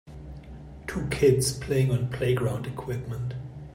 Two kids playing on playground equipment.